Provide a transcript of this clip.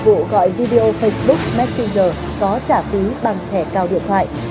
qua dịch vụ gọi video facebook messenger có trả phí bằng thẻ cào điện thoại